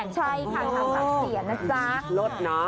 ใช่ค่ะชั้นสำเงียน